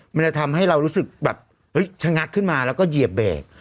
มันจะทำให้เรารู้สึกแบบชะงักขึ้นมาแล้วก็เหยียบเบรก